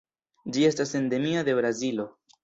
Ĝi estas endemia de Brazilo.